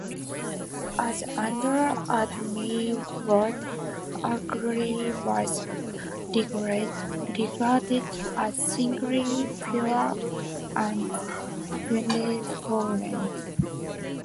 As Andrea Adami wrote, Allegri was regarded as singularly pure and benevolent.